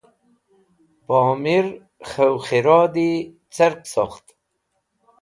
Pomẽr khew khẽradi cersokht?